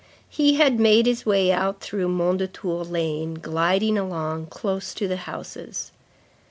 He had made his way out through Mondétour lane, gliding along close to the houses.